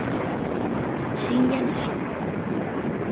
Shinya Nasu